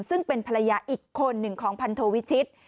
ซึ่งเป็นภรรยาอีกคนหนึ่งของพันโทวิชิต